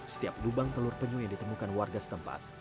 setiap lubang telur penyu yang ditemukan warga setempat